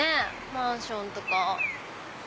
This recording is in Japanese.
マンションとか。